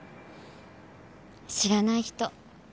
知らない人。